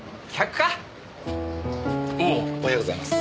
おはようございます。